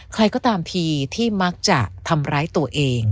บางทีที่มักจะทำร้ายตัวเอง